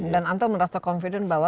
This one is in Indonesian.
dan anto merasa confident bahwa